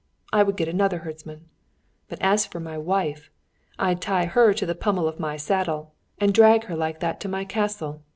I would get another herdsman; but as for my wife, I'd tie her to the pummel of my saddle, and drag her like that to my castle.